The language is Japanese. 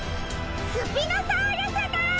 スピノサウルスだ！